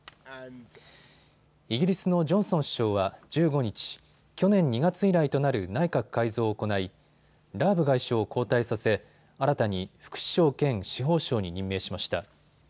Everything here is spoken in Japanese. イギリスのジョンソン首相は１５日、去年２月以来となる内閣改造を行いラーブ外相を交代させ新たに副首相兼司法相に任命しました。